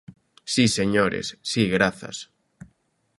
Si, señores; si, grazas.